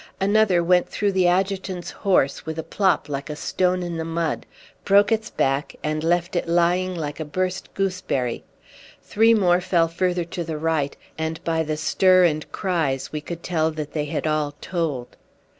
Another went through the adjutant's horse with a plop like a stone in the mud, broke its back and left it lying like a burst gooseberry. Three more fell further to the right, and by the stir and cries we could tell that they had all told.